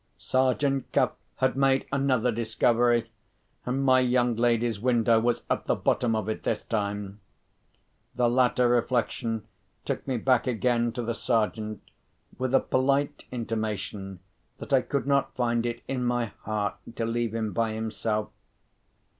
Sergeant Cuff had made another discovery! And my young lady's window was at the bottom of it this time! The latter reflection took me back again to the Sergeant, with a polite intimation that I could not find it in my heart to leave him by himself.